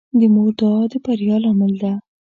د مور دعا د بریا لامل ده.